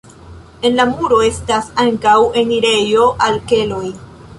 En la muro estas ankaŭ enirejo al keloj.